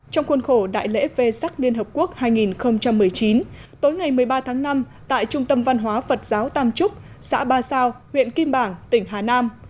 trong khuôn khổ đại lễ vê sắc liên hợp quốc hai nghìn một mươi chín tối ngày một mươi ba tháng năm tại trung tâm văn hóa phật giáo tam trúc xã ba sao huyện kim bảng tỉnh hà nam